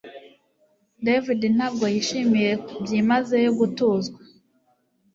David ntabwo yishimiye byimazeyo gutuzwa